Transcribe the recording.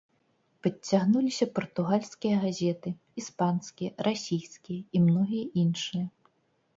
Падцягнуліся партугальскія газеты, іспанскія, расійскія і многія іншыя.